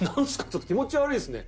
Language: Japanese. ちょっと気持ち悪いですね。